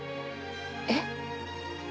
えっ？